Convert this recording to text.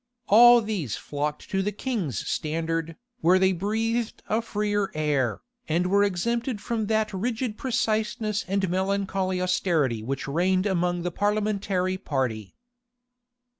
All these flocked to the king's standard, where they breathed a freer air, and were exempted from that rigid preciseness and melancholy austerity which reigned among the parliamentary party.